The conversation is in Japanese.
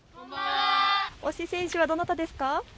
推し選手はどなたですか？